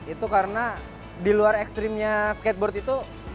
itu karena diluar ekstrimnya skateboard itu